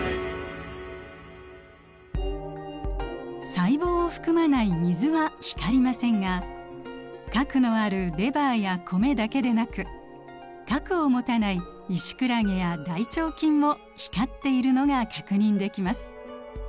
細胞を含まない水は光りませんが核のあるレバーや米だけでなく核を持たないイシクラゲや大腸菌も光っているのが確認できます。